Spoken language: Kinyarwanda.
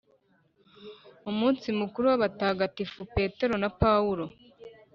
umunsi mukuru w’abatagatifu petero na paulo,